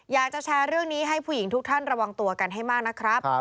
อยากจะแชร์เรื่องนี้ให้ผู้หญิงทุกท่านระวังตัวกันให้มากนะครับ